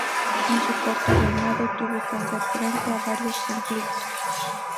En su corto reinado, tuvo que hacer frente a varios conflictos.